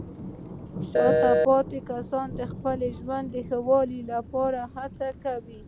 شاته پاتې کسان د خپل ژوند د ښه والي لپاره هڅې کوي.